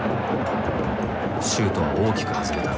シュートは大きく外れた。